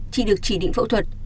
chị được chỉ định phẫu thuật